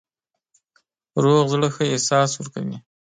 روغ زړه ښه احساس ورکوي.